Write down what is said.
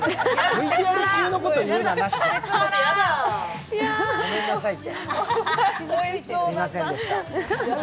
ＶＴＲ中のことを言うのはなしよ。